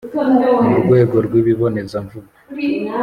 mu rwego rw’ikibonezamvugo